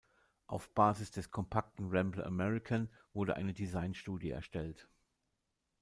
Auf Basis des kompakten Rambler American wurde eine Designstudie erstellt.